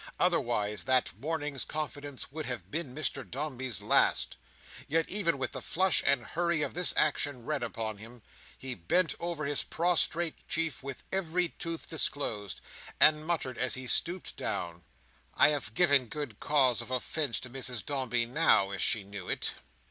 Otherwise that morning's confidence would have been Mr Dombey's last. Yet even with the flush and hurry of this action red upon him, he bent over his prostrate chief with every tooth disclosed, and muttered as he stooped down, "I have given good cause of offence to Mrs Dombey now, if she knew it!"